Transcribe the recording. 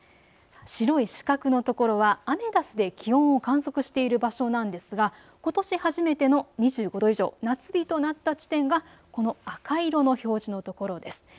白い四角のところはアメダスで気温を観測している場所なんですが、ことし初めての２５度以上、夏日となった地点がこの赤色の表示のところです。